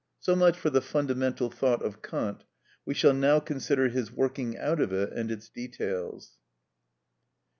So much for the fundamental thought of Kant; we shall now consider his working out of it and its details.